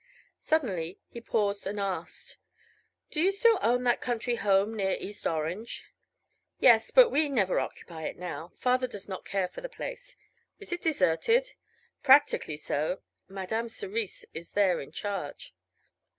Suddenly he paused and asked: "Do you still own that country home near East Orange?" "Yes; but we never occupy it now. Father does not care for the place." "Is it deserted?" "Practically so. Madame Cerise is there in charge."